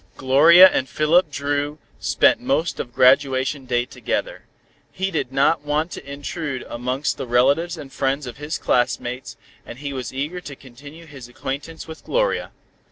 Gloria and Philip Dru spent most of graduation day together. He did not want to intrude amongst the relatives and friends of his classmates, and he was eager to continue his acquaintance with Gloria.